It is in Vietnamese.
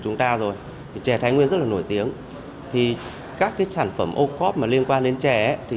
thái nguyên chè thái nguyên rất là nổi tiếng thì các cái sản phẩm ô cóp mà liên quan đến chè thì